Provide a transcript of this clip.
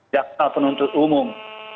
jakarta penuntut umum